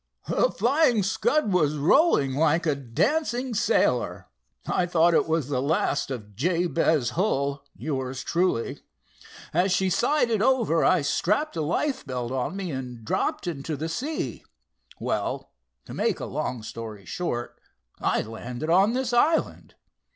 "The Flying Scud was rolling like a dancing sailor. I thought it was the last of Jabez Hull, yours truly. As she sided over, I strapped a life belt on me and dropped into the sea. Well, to make a long story short, I landed on this island.